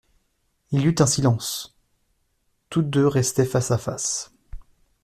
Il y eut un silence, toutes deux restaient face à face.